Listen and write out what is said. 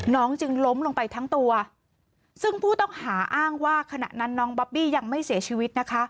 จึงล้มลงไปทั้งตัวซึ่งผู้ต้องหาอ้างว่าขณะนั้นน้องบอบบี้ยังไม่เสียชีวิตนะคะ